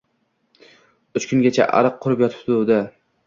Uch kungacha ariq qurib yotuvdi.